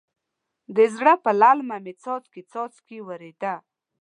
د زړه پر للمه مې څاڅکی څاڅکی ورېده.